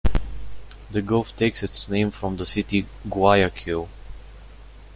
The gulf takes its name from the city of Guayaquil.